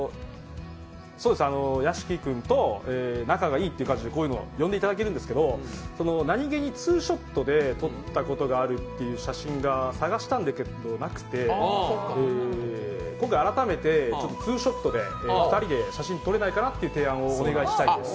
そうです、屋敷君と仲がいいという感じでこういうの呼んでいただけるんですけど、何気にツーショットで撮ったことがある写真が探したんですけどなくて今回改めてツーショットで２人で写真撮れないかなという提案をお願いしたいです。